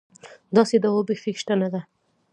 داسې دوا بېخي شته نه.